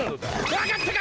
分かったか！